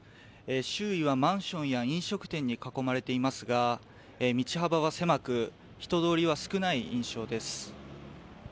周囲はマンションや飲食店に囲まれていますが道幅は狭く人通りは少ない印象です。